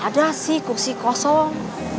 ada sih kursi kosong